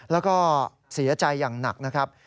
แล้วก็เสียใจอย่างหนักนะครับ